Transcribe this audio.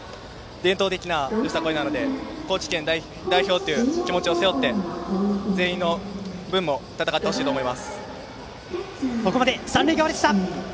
伝統的なよさこいなので高知県代表という気持ちを背負って全員の分も戦ってほしいとここまで三塁側でした。